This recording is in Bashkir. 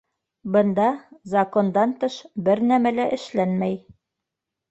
Бында закондан тыш бер нәмә лә эшләнмәй.